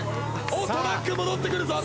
おっトラック戻ってくるぞ。